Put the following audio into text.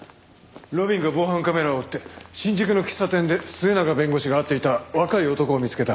路敏が防犯カメラを追って新宿の喫茶店で末永弁護士が会っていた若い男を見つけた。